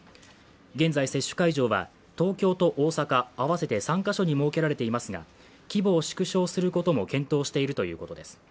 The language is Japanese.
現在、接種会場は東京と大阪、合わせて３カ所に設けられていますが、規模を縮小することも検討しているということです。